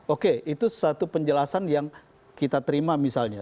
oke itu satu penjelasan yang kita terima misalnya